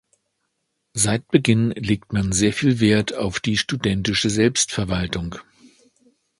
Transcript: Seit Beginn legt man sehr viel Wert auf die studentische Selbstverwaltung.